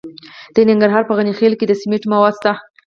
د ننګرهار په غني خیل کې د سمنټو مواد شته.